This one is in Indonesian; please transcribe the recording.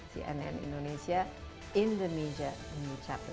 cnn indonesia indonesia new chap